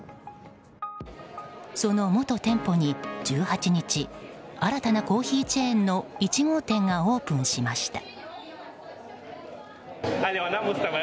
その元店舗に１８日新たなコーヒーチェーンの１号店がオープンしました。